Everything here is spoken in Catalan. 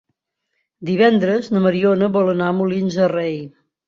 Divendres na Mariona vol anar a Molins de Rei.